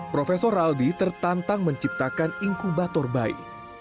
profesor raldi tertantang menciptakan inkubator bayi